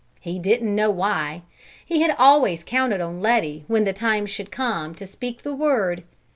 He didn't know why. He had always counted on Letty when the time should come to speak the word.